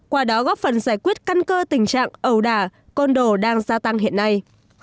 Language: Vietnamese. qua đó góp phần giải quyết căn cơ tình trạng ẩu đà con đồ đang gia tăng hiện nay